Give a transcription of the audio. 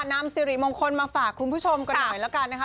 นำสิริมงคลมาฝากคุณผู้ชมกันหน่อยแล้วกันนะคะ